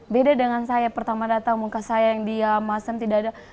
beda dengan saya pertama datang muka saya yang dia masem tidak ada